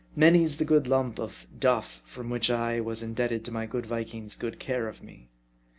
Many's the good lump of " duff" for which I was indebted J;o my good Viking's good care of me.